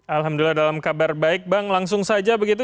alhamdulillah dalam kabar baik bang langsung saja begitu